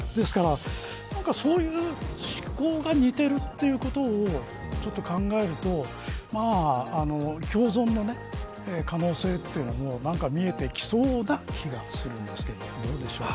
ですから、そういう思考が似ているということを考えると共存の可能性が見えてきそうな気がするんですけどどうでしょうか。